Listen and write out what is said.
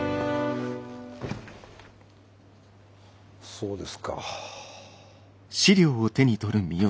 そうですか。